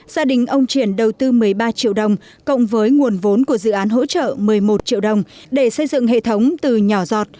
gia đình ông triển đầu tư một mươi ba triệu đồng cộng với nguồn vốn của dự án hỗ trợ một mươi một triệu đồng để xây dựng hệ thống từ nhỏ giọt